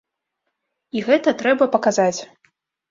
І гэта трэба паказаць.